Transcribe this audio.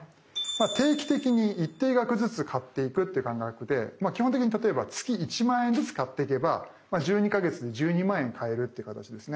定期的に一定額ずつ買っていくっていう感覚で基本的に例えば月１万円ずつ買っていけば１２か月で１２万円買えるっていう形ですね。